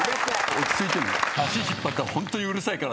落ち着いてね。